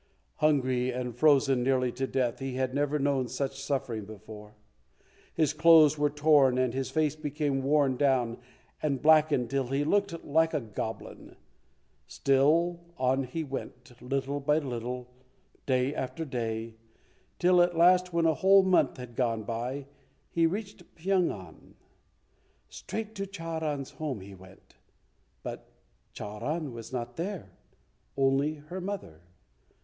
Hungry, and frozen nearly to death, he had never known such suffering before. His clothes were torn and his face became worn down and blackened till he looked like a goblin. Still on he went, little by little, day after day, till at last, when a whole month had gone by, he reached Pyong an. Straight to Charan's home he went, but Charan was not there, only her mother.